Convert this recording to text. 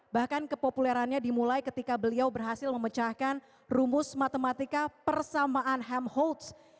bahkan kepopulerannya dimulai ketika beliau berhasil memecahkan rumus matematika persamaan ham holtz